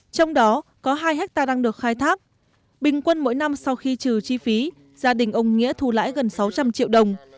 trong đó có hai hectare đang được khai thác bình quân mỗi năm sau khi trừ chi phí gia đình ông nghĩa thu lãi gần sáu trăm linh triệu đồng